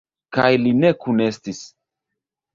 Kaj li ne kunestis.